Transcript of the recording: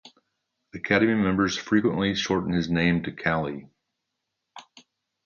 Academy members frequently shorten this name to Callie.